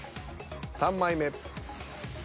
３枚目。